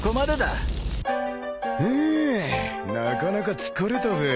フゥなかなか疲れたぜ。